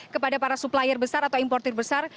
kepada para supplier besar atau importer besar